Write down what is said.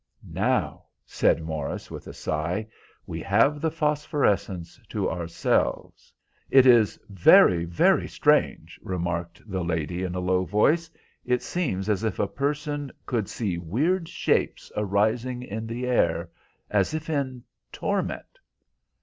"Now," said Morris, with a sigh, "we have the phosphorescence to ourselves." "It is very, very strange," remarked the lady in a low voice. "It seems as if a person could see weird shapes arising in the air, as if in torment."